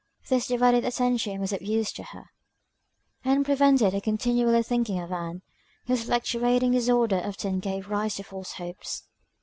This divided attention was of use to her, and prevented her continually thinking of Ann, whose fluctuating disorder often gave rise to false hopes.